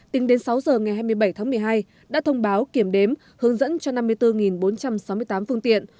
tính đến sáu giờ ngày hai mươi bảy tháng một mươi hai đã thông báo kiểm đếm hướng dẫn cho năm mươi bốn bốn trăm sáu mươi tám phương tiện